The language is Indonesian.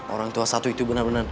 orang tua satu itu bener bener